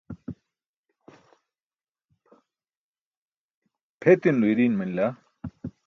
Pʰetinulo iriin manila.